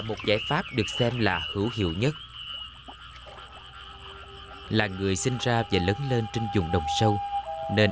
một giải pháp được xem là hữu hiệu nhất là người sinh ra và lớn lên trên dùng đồng sâu nên